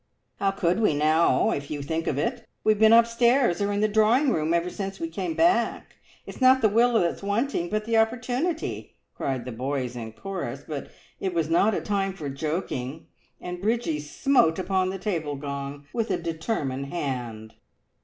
"How could we, now, if you think of it? We have been upstairs or in the drawing room ever since we came back. It's not the will that's wanting, but the opportunity!" cried the boys in chorus; but it was not a time for joking, and Bridgie smote upon the table gong with a determined hand.